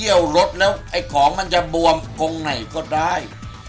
เที่ยวรถแล้วไอ้ของมันจะบวมคงไหนก็ได้